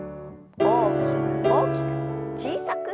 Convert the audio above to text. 大きく大きく小さく。